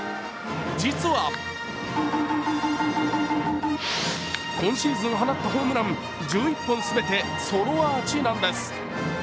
実は、今シーズン放ったホームラン１１本全てソロアーチなんです。